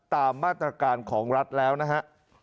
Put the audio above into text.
ตามมาตรการของรัฐแล้วนะฮะ